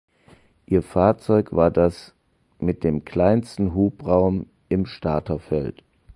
Ihr Fahrzeug war das mit dem kleinsten Hubraum im Starterfeld.